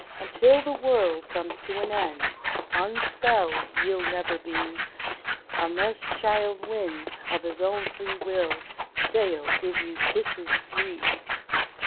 Until the world comes to an end Unspelled ye'll never be, Unless Childe Wynde of his own free will Sail give you kisses three